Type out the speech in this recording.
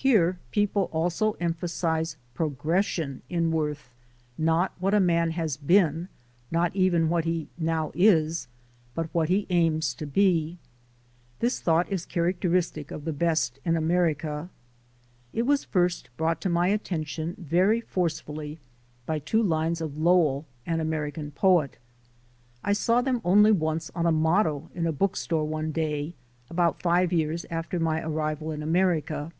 Here people also emphasize progression in worth; not what a man has been, not even what he now is, but what he aims to be. This thought is character istic of the best in America. It was first brought to my attention very forcefully by two lines of Lowell, an American poet. I saw them only once on a motto in a book store one day, about five years after my arrival in America.